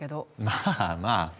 まあまあ。